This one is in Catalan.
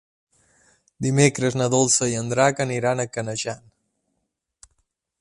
Dimecres na Dolça i en Drac aniran a Canejan.